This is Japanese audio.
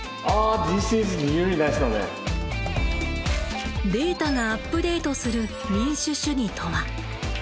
データがアップデートする民主主義とは。